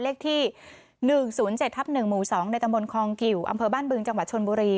เลขที่๑๐๗ทับ๑หมู่๒ในตำบลคองกิวอำเภอบ้านบึงจังหวัดชนบุรี